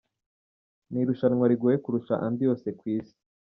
Ni irushanwa rigoye kurusha andi yose ku Isi.